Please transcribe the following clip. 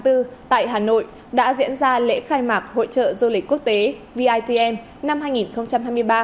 tại hà nội đã diễn ra lễ khai mạc hội trợ du lịch quốc tế vitm năm hai nghìn hai mươi ba